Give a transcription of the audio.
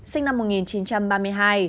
sinh năm một nghìn chín trăm ba mươi hai